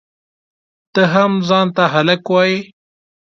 ته هم ځان ته هلک وایئ؟!